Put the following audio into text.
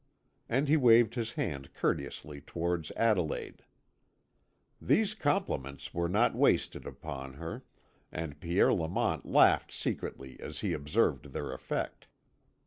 And he waved his hand courteously towards Adelaide. These compliments were not wasted upon her, and Pierre Lamont laughed secretly as he observed their effect.